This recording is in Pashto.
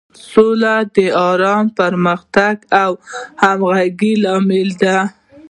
سوله د ارامۍ، پرمختګ او همغږۍ لامل ده.